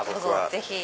ぜひ。